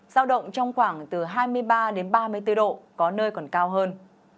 giao động trong khoảng từ hai mươi ba đến ba mươi bốn độ có nơi còn cao hơn